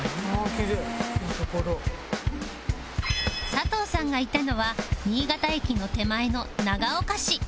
佐藤さんがいたのは新潟駅の手前の長岡市